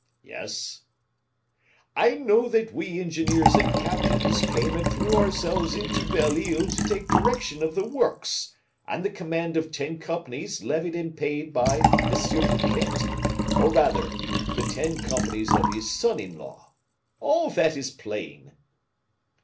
"Yes?" "I know that we engineers and captains came and threw ourselves into Belle Isle to take direction of the works, and the command of ten companies levied and paid by M. Fouquet, or rather the ten companies of his son in law. All that is plain."